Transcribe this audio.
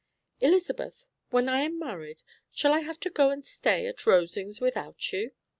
"Elizabeth, when I am married, shall I have to go and stay at Rosings without you?"